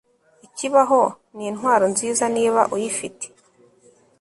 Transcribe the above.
Ikibaho nintwaro nziza niba uyifite